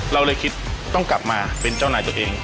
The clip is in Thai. เราเลยคิดต้องกลับมาเป็นเจ้านายตัวเอง